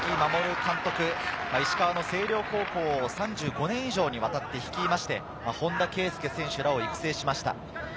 護監督、石川の星稜高校を３５年以上にわたって率いまして、本田圭佑選手らを育成しました。